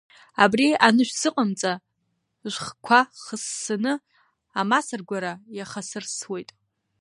Абри анышәзыҟамҵа, шәхқәа хыссаны амасар гәара иахасырсуеит.